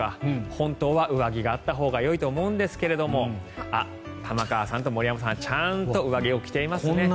本当は上着があったほうがいいと思うんですが玉川さんと森山さんはちゃんと上着を着ていますね。